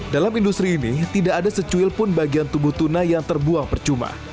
dalam industri ini tidak ada secuil pun bagian tubuh tuna yang terbuang percuma